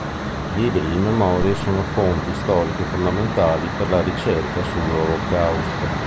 I libri di memorie sono fonti storiche fondamentali per la ricerca sull’Olocausto.